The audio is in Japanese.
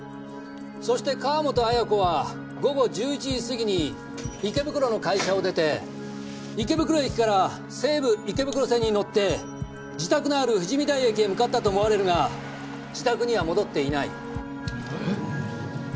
そして川本綾子は午後１１時過ぎに池袋の会社を出て池袋駅から西武池袋線に乗って自宅のある富士見台駅へ向かったと思われるが自宅には戻っていない。